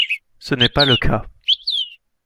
Ce n’est pas le cas.